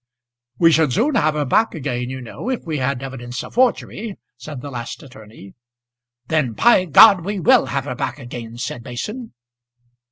"We should soon have her back again, you know, if we had evidence of forgery," said the last attorney. "Then, by ! we will have her back again," said Mason.